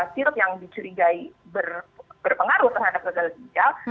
sirup yang dicurigai berpengaruh terhadap legal digital